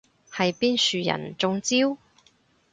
係邊樹人中招？